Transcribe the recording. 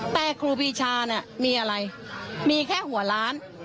แต่ครูปรีชามีอะไรมีแค่หัวล้าน